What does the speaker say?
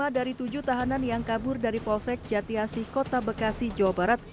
lima dari tujuh tahanan yang kabur dari polsek jatiasi kota bekasi jawa barat